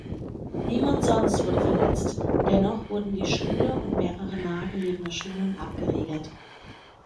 Niemand sonst wurde verletzt, dennoch wurden die Schule und mehrere nahe gelegene Schulen abgeriegelt.